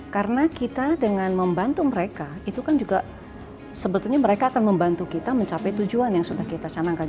karena kita dengan membantu mereka itu kan juga sebetulnya mereka akan membantu kita mencapai tujuan yang sudah kita canangkan